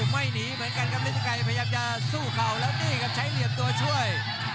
ไม่หนีเหมือนกันครับฤทธิไกรพยายามจะสู้เข่าแล้วนี่ครับใช้เหลี่ยมตัวช่วย